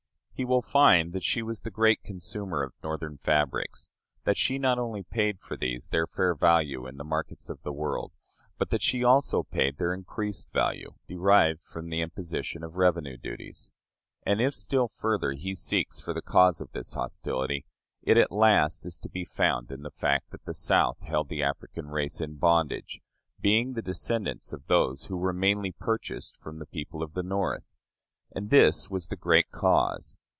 He will find that she was the great consumer of Northern fabrics that she not only paid for these their fair value in the markets of the world, but that she also paid their increased value, derived from the imposition of revenue duties. And, if, still further, he seeks for the cause of this hostility, it at last is to be found in the fact that the South held the African race in bondage, being the descendants of those who were mainly purchased from the people of the North. And this was the great cause.